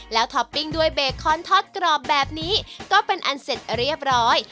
แล้วท็อปปิ้งด้วยเบคอนทอดกรอบแบบนี้ก็เป็นอันเสร็จเรียบร้อย